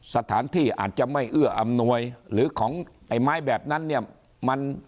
สถานที่อาจจะไม่เอื้ออำนวยหรือของไอ้ไม้แบบนั้นเนี่ย